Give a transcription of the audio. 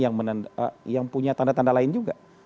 yang punya tanda tanda lain juga